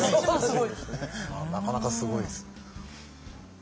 なかなかすごいですよね。